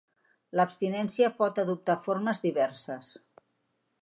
L'abstinència pot adoptar formes diverses.